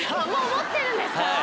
もう持ってるんですか！？